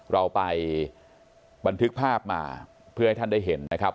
เราไปบันทึกภาพมาเพื่อให้ท่านได้เห็นนะครับ